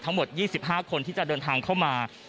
ทั้งหมด๒๕คนที่จะเดินทางเข้ามา